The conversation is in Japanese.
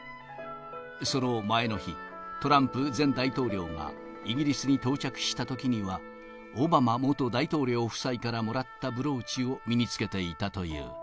その前の日、トランプ前大統領がイギリスに到着したときには、オバマ元大統領夫妻からもらったブローチを身につけていたという。